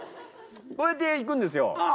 こうやっていくんですよ。